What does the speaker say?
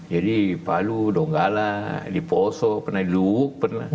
jadi palu donggala diposo pernah di luwuk